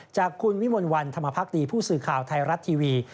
จากคุณวิมลวันธรรมพักดีผู้สื่อข่าวไทยรัฐทีวี